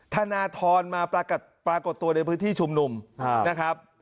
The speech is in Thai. ธนทรมาปรากฏตัวในพื้นที่ชุมนุมนะครับ